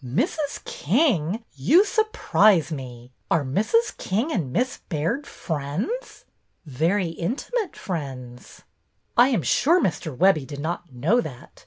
''Mrs. King! You surprise me! Are Mrs. King and Miss Baird friends?" " Very intimate friends." " I am sure Mr. Webbie did not know that.